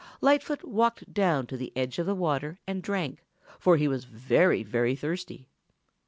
Lightfoot walked down to the edge of the water and drank, for he was very, very thirsty.